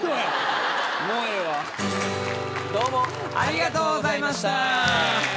もうええわどうもありがとうございました